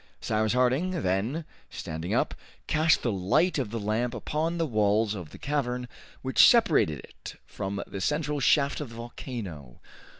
Cyrus Harding then, standing up, cast the light of the lamp upon the walls of the cavern which separated it from the central shaft of the volcano.